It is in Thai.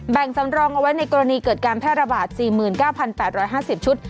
สำรองเอาไว้ในกรณีเกิดการแพร่ระบาด๔๙๘๕๐ชุด